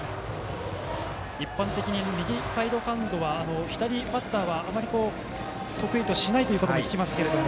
一般的に右サイドハンドは左バッターは、あまり得意としないと聞きますけれども。